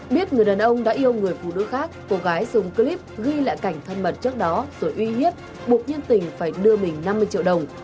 biết người đàn ông đã yêu người phụ nữ khác cô gái dùng clip ghi lại cảnh thân mật trước đó rồi uy hiếp buộc nhân tình phải đưa bình năm mươi triệu đồng